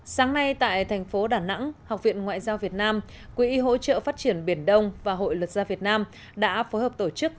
sáng nay tại thành phố đà nẵng học viện ngoại giao việt nam quỹ hỗ trợ phát triển biển đông và hội luật gia việt nam đã phối hợp tổ chức